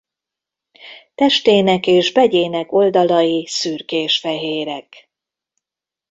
Testének és begyének oldalai szürkésfehérek.